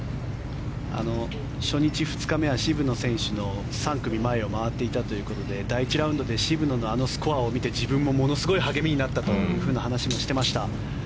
初日、２日目は渋野選手の３組前を回っていたということで第１ラウンドで渋野のあのスコアを見て自分もものすごい励みになったという話もしていました。